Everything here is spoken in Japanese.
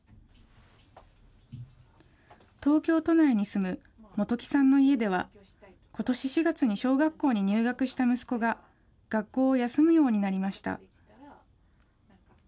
東京都内に住む元木さんの家では、ことし４月に小学校に入学した息子が、学校を休むようになりました。